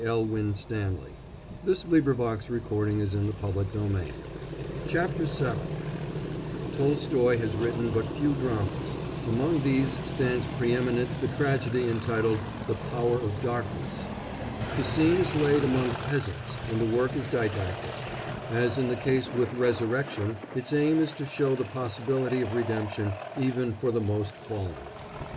CHAPTER VII "THE POWER OF DARKNESS" "THE KREUTZER SONATA" "RESURRECTION" Tolstoy has written but few dramas; among these stands pre eminent the tragedy entitled The Power of Darkness. The scene is laid among peasants, and the work is didactic; as is the case with Resurrection, its aim is to show the possibility of redemption even for the most fallen.